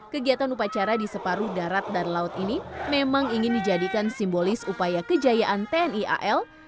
kegiatan upacara di separuh darat dan laut ini memang ingin dijadikan simbolis upaya kejayaan tni al